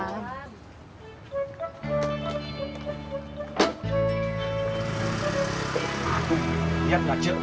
kum lihat nggak cuk